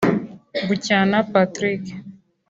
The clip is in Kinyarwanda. Buchana Patrick